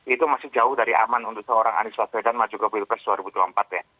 itu masih jauh dari aman untuk seorang anies waswedan maju ke pilpres dua ribu dua puluh empat ya